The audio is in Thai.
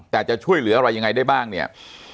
แต่จะช่วยเหลืออะไรยังไงได้บ้างเนี่ย